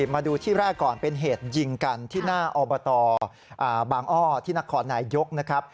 มาดูที่แรกก่อนเป็นเหตุยิงกันที่หน้าอบตบางอ้อที่นครนายยกนะครับ